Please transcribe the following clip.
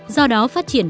do đó phát triển